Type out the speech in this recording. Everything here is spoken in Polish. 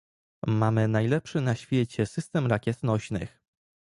Mamy najlepszy na świecie system rakiet nośnych